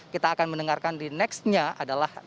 kita akan mendengarkan di nextnya adalah